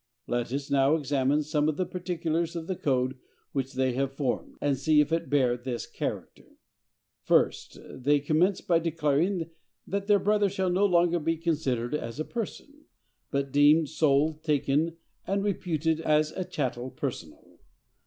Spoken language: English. Let us now examine some of the particulars of the code which they have formed, and see if it bear this character. First, they commence by declaring that their brother shall no longer be considered as a person, but deemed, sold, taken, and reputed, as a chattel personal.